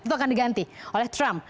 itu akan diganti oleh trump